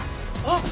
あっ！